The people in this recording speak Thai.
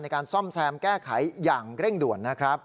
การซ่อมแซมแก้ไขอย่างเร่งด่วนนะครับ